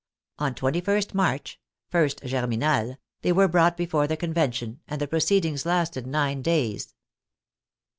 On 2 1 St March (ist Germinal) they were brought before the Convention, and the proceedings lasted nine days.